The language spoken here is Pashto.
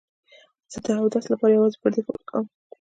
زه د اوس لپاره یوازې پر دې فکر کوم.